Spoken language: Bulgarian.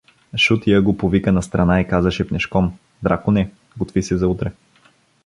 Шутия го повика настрана и каза шепнешком: — Драконе, готви се за утре.